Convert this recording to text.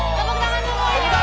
tepuk tangan semuanya